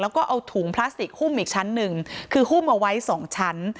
แล้วก็เอาถุงพลาสติกหุ้มอีกชั้นหนึ่งคือหุ้มเอาไว้สองชั้น